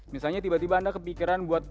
misalnya tiba tiba anda kepikiran buat